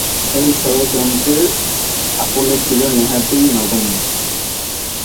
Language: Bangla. এ ষড়যন্ত্রের সাফল্য ছিল নেহাতই নগণ্য।